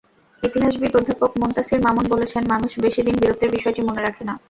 ইতিহাসবিদ অধ্যাপক মুনতাসীর মামুন বলেছেন, মানুষ বেশি দিন বীরত্বের বিষয়টি মনে রাখে না।